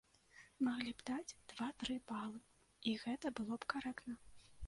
Маглі б даць два-тры балы, і гэта было б карэктна.